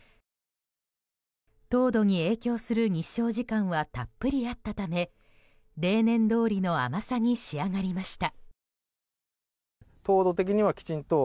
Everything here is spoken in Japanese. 糖度に影響する日照時間はたっぷりあったため例年どおりの甘さに仕上がりました。